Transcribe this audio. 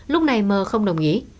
lúc này m không đồng ý